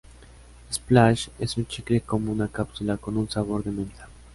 Splash es un chicle como una cápsula con un sabor de menta.